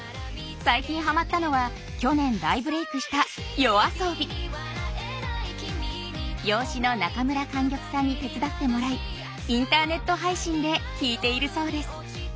最近はまったのは去年大ブレークした養子の中村莟玉さんに手伝ってもらいインターネット配信で聴いているそうです。